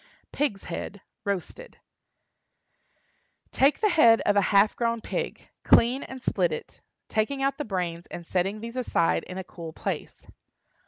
PIG'S HEAD (Roasted). Take the head of a half grown pig; clean and split it, taking out the brains and setting these aside in a cool place.